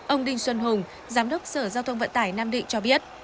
ông đinh xuân hùng giám đốc sở giao thông vận tải nam định cho biết